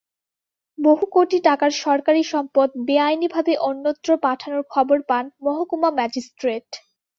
বহু কোটি টাকার সরকারি সম্পদ বেআইনিভাবে অন্যত্র পাঠানোর খবর পান মহকুমা ম্যাজিস্ট্রেট।